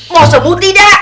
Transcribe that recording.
mau sembuh tidak